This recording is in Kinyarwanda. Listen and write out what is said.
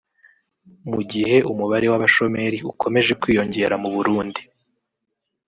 Mu gihe umubare w’abashomeri ukomeje kwiyongera mu Burundi